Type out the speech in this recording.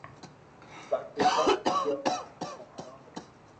باقي سب ڪوواريو ھو